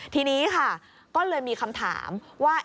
ทีนี้ค่ะก็เลยมีคำถามว่า